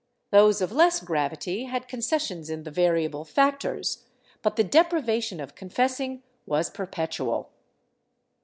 Those of less gravity had concessions in the variable factors, but the deprivation of confessing was per petual.